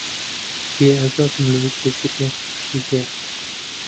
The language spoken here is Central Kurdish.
بێئاگا بووم لەوەی کە زریان کێشەی هەیە.